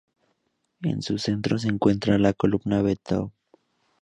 En su centro se encuentra la columna Vendôme.